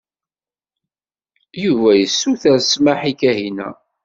Yuba yessuter smeḥ i Kahina.